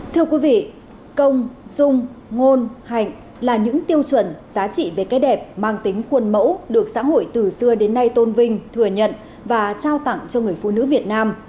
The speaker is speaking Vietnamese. thưa quý vị công dung ngôn hạnh là những tiêu chuẩn giá trị về cái đẹp mang tính khuôn mẫu được xã hội từ xưa đến nay tôn vinh thừa nhận và trao tặng cho người phụ nữ việt nam